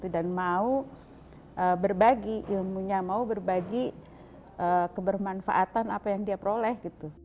dan mau berbagi ilmunya mau berbagi kebermanfaatan apa yang dia peroleh